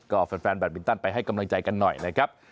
ก็แฟนแบตมินตันไปให้กำลังใจกันหน่อยนะครับ